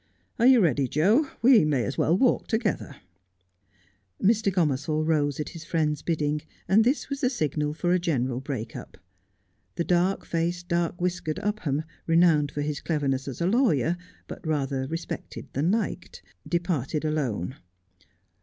Are you. ready, Joe 1 We may as well walk together.' Mr. Gomersall rose at his friend's bidding, and this was the signal for a general break up. The dark faced, dark whiskered Upham, renowned for his cleverness as a lawyer, but rather respected than liked, departed alone.